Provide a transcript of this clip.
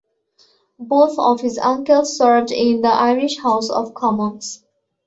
Both of his uncles served in the Irish House of Commons.